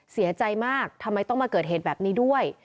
เสียใจมากทำไมต้องมาเกิดเหตุแบบนี้ด้วย